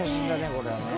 これはね。